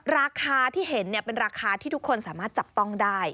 ราคาที่เห็นเป็นราคาที่ทุกคนสามารถจับต้องได้